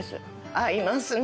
合いますね。